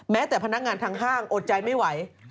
แต่พนักงานทางห้างอดใจไม่ไหว